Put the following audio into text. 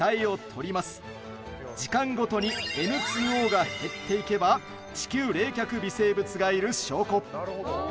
時間ごとにＮ２Ｏが減っていけば地球冷却微生物がいる証拠。